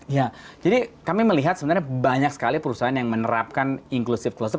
ya jadi kami melihat sebenarnya banyak sekali perusahaan yang menerapkan inclusive closed